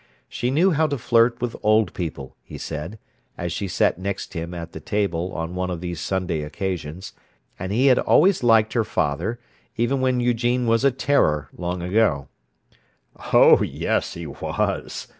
She knew how to flirt with old people, he said, as she sat next him at the table on one of these Sunday occasions; and he had always liked her father, even when Eugene was a "terror" long ago. "Oh, yes, he was!"